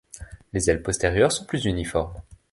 Les ailes postérieures sont plus uniformes.